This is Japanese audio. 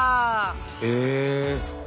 へえ！